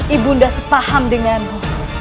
ibunda sepaham denganmu